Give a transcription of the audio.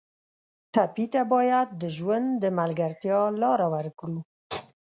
ټپي ته باید د ژوند د ملګرتیا لاره ورکړو.